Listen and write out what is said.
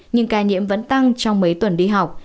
nhưng ca nhiễm vẫn tăng trong mấy tuần đi học